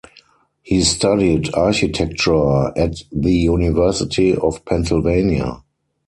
He studied architecture at the University of Pennsylvania.